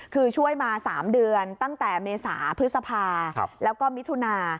คือช่วยมา๓เดือนตั้งแต่เมษาพฤษภาแล้วก็มิถุนา